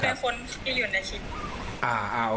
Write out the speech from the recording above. เป็นคนที่อยู่ในคลิป